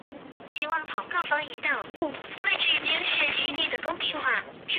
黎巴嫩有一名运动员参加田径比赛。